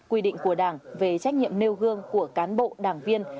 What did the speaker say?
quy định của đảng về trách nhiệm nêu gương của cán bộ đảng viên